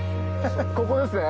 ここですね。